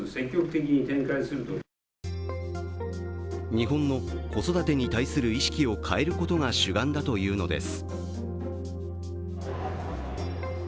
日本の子育てに対する意識を変えることが主眼だというのです。